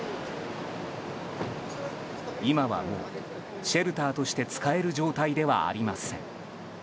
今はもう、シェルターとして使える状態ではありません。